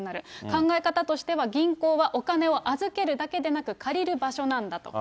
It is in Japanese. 考え方としては、銀行はお金を預けるだけでなく、借りる場所なんだと。